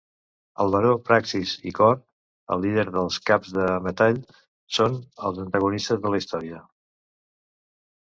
El Baró Praxis i Kor, el líder dels Caps de metall, son els antagonistes de la història.